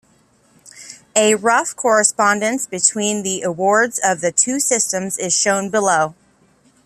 A rough correspondence between the awards of the two systems is shown below.